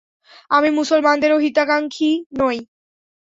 আমি মুসলমানদেরও হিতাকাঙ্ক্ষী নই।